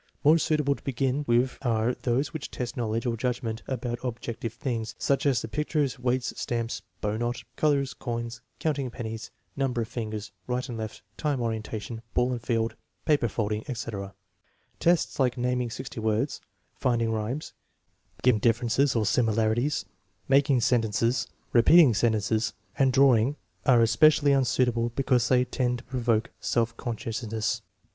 More suitable to begin with are those which test knowledge or judg ment about objective things, such as the pictures, weights, stamps, bow knot, colors, coins, counting pennies, number of fingers, right and left, time orientation, ball and field, paper folding, etc. Tests like naming sixty words, finding rhymes, giving differences or similarities, making sentences, repeating sentences, and drawing are especially unsuitable because they tend to provoke self consciousness.